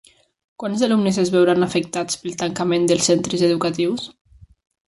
Quants alumnes es veuran afectats pel tancament dels centres educatius?